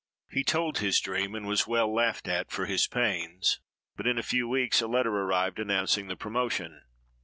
He told his dream, and was well laughed at for his pains; but in a few weeks a letter arrived announcing the promotion.